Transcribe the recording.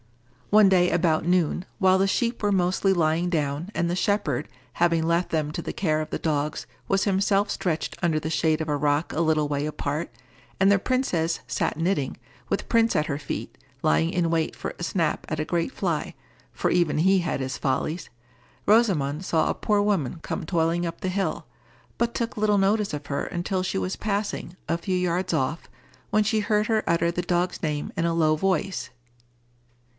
One day about noon, while the sheep were mostly lying down, and the shepherd, having left them to the care of the dogs, was himself stretched under the shade of a rock a little way apart, and the princess sat knitting, with Prince at her feet, lying in wait for a snap at a great fly, for even he had his follies—Rosamond saw a poor woman come toiling up the hill, but took little notice of her until she was passing, a few yards off, when she heard her utter the dog's name in a low voice.